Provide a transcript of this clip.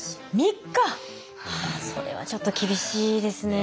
ああそれはちょっと厳しいですね。